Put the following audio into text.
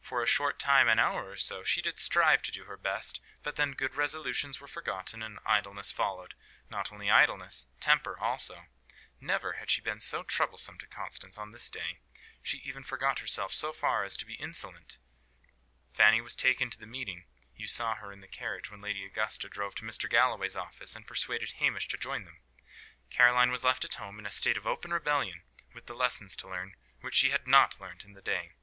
For a short time, an hour or so, she did strive to do her best; but then good resolutions were forgotten, and idleness followed. Not only idleness, temper also. Never had she been so troublesome to Constance as on this day; she even forgot herself so far as to be insolent. Fanny was taken to the meeting you saw her in the carriage when Lady Augusta drove to Mr. Galloway's office, and persuaded Hamish to join them Caroline was left at home, in a state of open rebellion, with the lessons to learn which she had not learnt in the day.